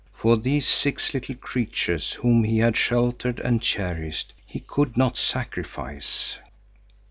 For these six little creatures, whom he had sheltered and cherished, he could not sacrifice.